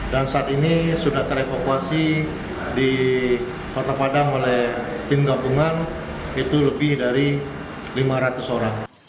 dan saat ini sudah direvakuasi di kota padang oleh tim gabungan itu lebih dari lima ratus orang